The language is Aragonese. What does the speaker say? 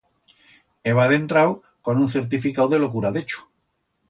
Heba dentrau con un certificau de lo cura d'Echo.